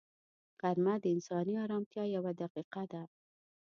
غرمه د انساني ارامتیا یوه دقیقه ده